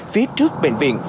phía trước bệnh viện